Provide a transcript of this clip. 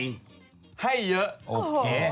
ไม่ได้